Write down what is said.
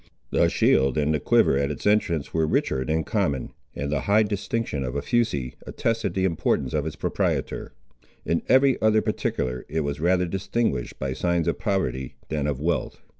The shield and quiver at its entrance were richer than common, and the high distinction of a fusee, attested the importance of its proprietor. In every other particular it was rather distinguished by signs of poverty than of wealth.